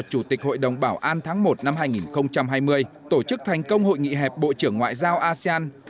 chủ tịch hội đồng bảo an tháng một năm hai nghìn hai mươi tổ chức thành công hội nghị hẹp bộ trưởng ngoại giao asean